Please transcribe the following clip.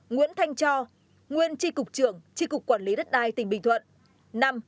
bốn nguyễn thanh cho nguyên tri cục trưởng tri cục quản lý đất đai tỉnh bình thuận